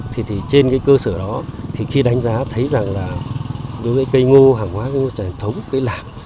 thì trên cái cơ sở đó thì khi đánh giá thấy rằng là đối với cây ngô hàng hóa ngô trải thống của cây lạc